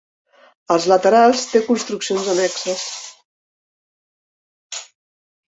Als laterals té construccions annexes.